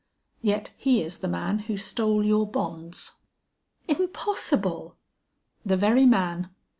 "Yet he is the man who stole your bonds." "Impossible!" "The very man."